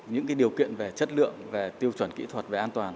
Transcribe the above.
những điều kiện về chất lượng về tiêu chuẩn kỹ thuật về an toàn